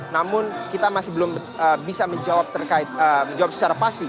namun kita masih belum bisa menjawab secara pasti